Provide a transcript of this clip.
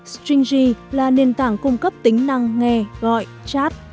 stringy là nền tảng cung cấp tính năng nghe gọi chat